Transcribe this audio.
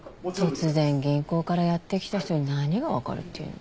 突然銀行からやって来た人に何が分かるっていうのよ。